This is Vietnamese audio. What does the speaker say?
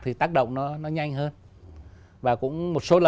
thì tác động